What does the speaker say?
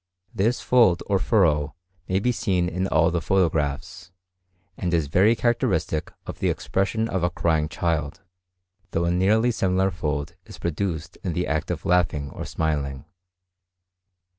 This fold or furrow may be seen in all the photographs, and is very characteristic of the expression of a crying child; though a nearly similar fold is produced in the act of laughing or smiling.